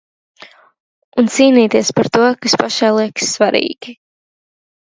Un cīnīties par to, kas pašai liekas svarīgi.